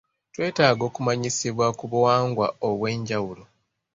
twetaaga okumanyisibwa ku buwangwa obw'enjawulo.